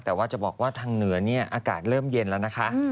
แต่ว่าจะบอกว่าทางเหนือเนี่ยอากาศเริ่มเย็นแล้วนะคะ